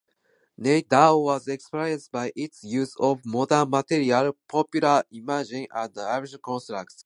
Neo-Dada was exemplified by its use of modern materials, popular imagery, and absurdist contrast.